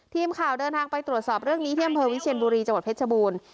ทีมข่าวเดินทางไปตรวจสอบเรื่องนี้ที่อำเภอวิเชียนบุรีจังหวัดเพชรบูรณ์